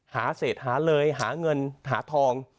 เศษหาเลยหาเงินหาทอง